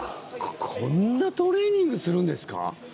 こんなトレーニングするんですか？